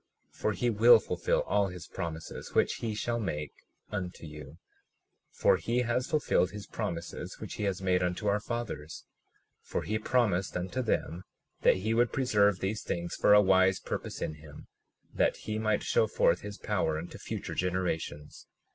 37:17 For he will fulfil all his promises which he shall make unto you, for he has fulfilled his promises which he has made unto our fathers. 37:18 For he promised unto them that he would preserve these things for a wise purpose in him, that he might show forth his power unto future generations.